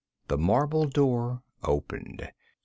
The marble door opened.